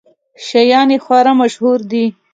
شیان یې خورا مشهور دي.